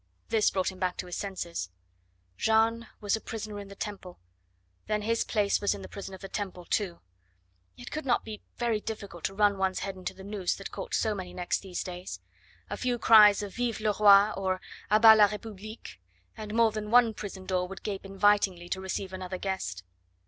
This brought him back to his senses. Jeanne was a prisoner in the Temple; then his place was in the prison of the Temple, too. It could not be very difficult to run one's head into the noose that caught so many necks these days. A few cries of "Vive le roi!" or "A bas la republique!" and more than one prison door would gape invitingly to receive another guest.